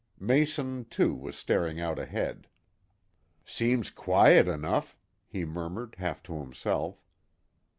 Mason, too, was staring out ahead. "Seems quiet enough," he murmured, half to himself.